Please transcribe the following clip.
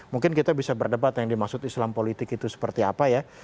mungkin kita bisa berdebat yang dimaksud islam politik itu seperti apa ya